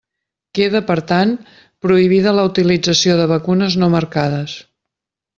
Queda, per tant, prohibida la utilització de vacunes no marcades.